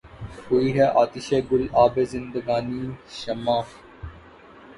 ہوئی ہے آتشِ گُل آبِ زندگانیِ شمع